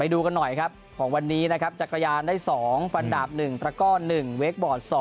ดูกันหน่อยครับของวันนี้นะครับจักรยานได้๒ฟันดาบ๑ตระก้อน๑เวคบอร์ด๒